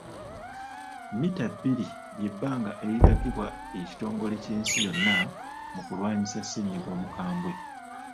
Mmita bbiri ly'ebbanga eriragirwa ekitongole ky'ensi yonna mu kulwanyisa ssennyiga omukambwe.